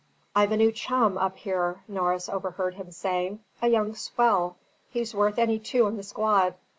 "I've a new chum, up here," Norris overheard him saying, "a young swell. He's worth any two in the squad."